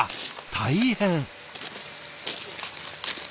大変！